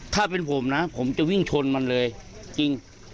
ถ้าเป็นผมนะผมจะวิ่งชนมันเลยจริง